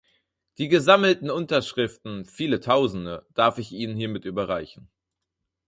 Die gesammelten Unterschriften, viele Tausende, darf ich Ihnen hiermit überreichen.